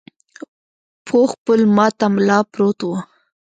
پوخ پل ماته ملا پروت و.